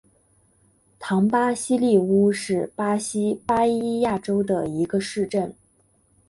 唐巴西利乌是巴西巴伊亚州的一个市镇。